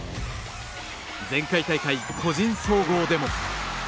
前回大会、個人総合でも。